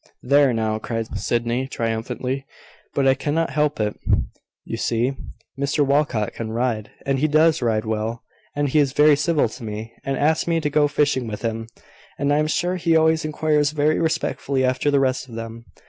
"There, now!" cried Sydney, triumphantly. "But I can't help it, you see. Mr Walcot can ride, and he does ride well; and he is very civil to me, and asks me to go fishing with him; and I am sure he always inquires very respectfully after the rest of them.